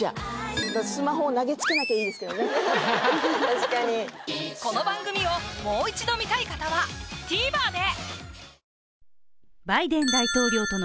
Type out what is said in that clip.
確かにこの番組をもう一度観たい方はＴＶｅｒで！